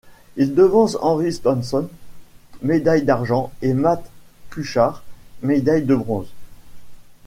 Il devance Henrik Stenson, médaille d'argent, et Matt Kuchar, médaille de bronze.